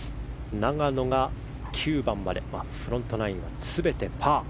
永野が９番までフロントナインを全てパー。